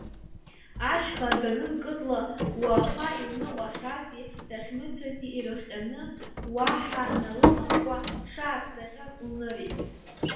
Ашьха данынкыдла, уаха илныҟәахьази дахьмыцәацзи ирыхҟьаны, уаҳа налыламкәа дшааԥсахьаз лнырит.